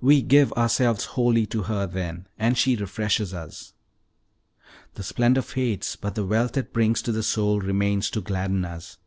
We give ourselves wholly to her then, and she refreshes us; the splendor fades, but the wealth it brings to the soul remains to gladden us.